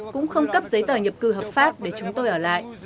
cũng không cấp giấy tờ nhập cư hợp pháp để chúng tôi ở lại